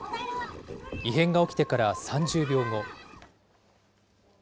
異変が起きてから３０秒後。